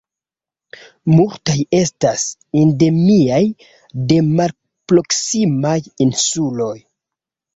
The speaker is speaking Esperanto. Multaj estas endemiaj de malproksimaj insuloj.